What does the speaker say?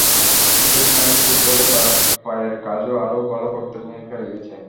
সেটিই নাকি ফুটবলে তাঁর পায়ের কাজ আরও ভালো করতে ভূমিকা রেখেছে।